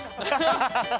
ハハハハ！